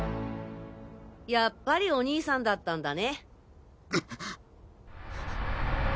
やっぱりお兄さんだったんだね。